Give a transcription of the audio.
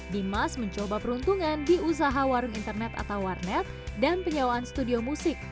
dimas mencoba peruntungan di usaha warung internet atau warnet dan penyewaan studio musik